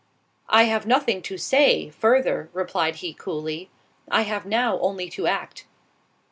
"I have nothing to say further," replied he coolly—"I have now only to act."